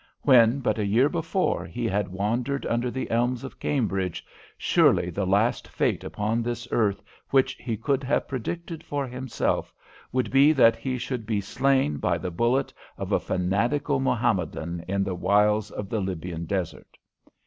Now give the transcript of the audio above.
When, but a year before, he had wandered under the elms of Cambridge, surely the last fate upon this earth which he could have predicted for himself would be that he should be slain by the bullet of a fanatical Mohammedan in the wilds of the Libyan desert.